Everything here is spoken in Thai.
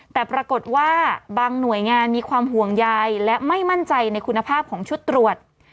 แต่ปรากฏว่าบางหน่วยงานมีความห่วงใยและไม่มั่นใจในคุณภาพของชุดตรวจ